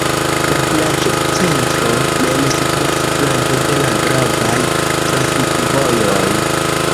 La vilaĝocentro mem situas flanke de la gravaj trafikvojoj.